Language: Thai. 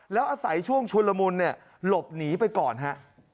แล้วอาศัยช่วงชุนรมุลหลบหนีไปก่อนฮะ